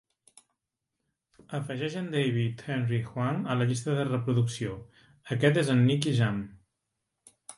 Afegeix en David Henry Hwang a la llista de reproducció "Aquest és en Nicky Jam".